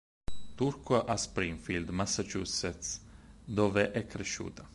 Turco a Springfield, Massachusetts, dove è cresciuta.